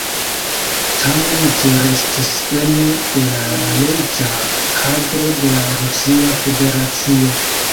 Tamen ĝi restis ene de la leĝa kadro de la Rusia Federacio.